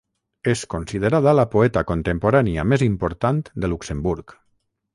És considerada la poeta contemporània més important de Luxemburg.